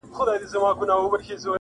o غووي غيڼ وکړې، سوکان څټ وخوړل٫